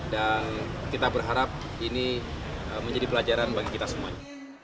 dan kita berharap ini menjadi pelajaran bagi kita semuanya